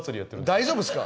大丈夫っすか？